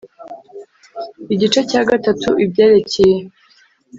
Igice cya gatatu Ibyerekeye